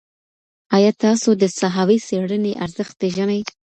ایا تاسو د ساحوي څېړني ارزښت پېژنئ؟